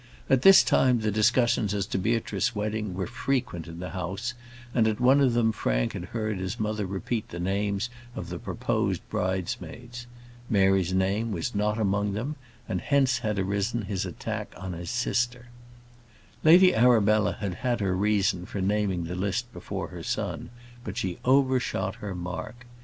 At this time the discussions as to Beatrice's wedding were frequent in the house, and at one of them Frank had heard his mother repeat the names of the proposed bridesmaids. Mary's name was not among them, and hence had arisen his attack on his sister. Lady Arabella had had her reason for naming the list before her son; but she overshot her mark.